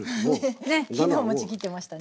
昨日もちぎってましたね。